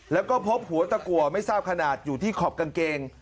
แล้วก็พบหัวตะกัวไม่ทราบขนาดอยู่ที่ขอบกางเกง